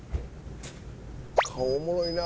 顔おもろいな。